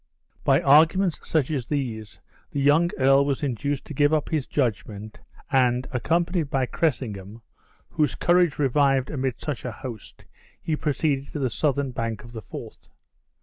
By arguments such as these the young earl was induced to give up his judgment; and, accompanied by Cressingham, whose courage revived amid such a host, he proceeded to the southern bank of the Forth.